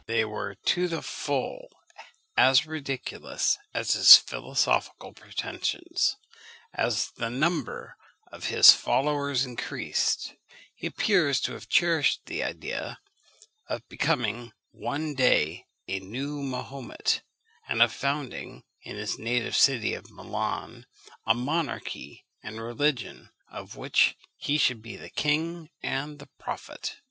They were to the full as ridiculous as his philosophical pretensions. As the number of his followers increased, he appears to have cherished the idea of becoming one day a new Mahomet, and of founding, in his native city of Milan, a monarchy and religion of which he should be the king and the prophet.